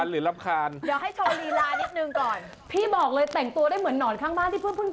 รับเพิ่มไหมคะสักคนนึง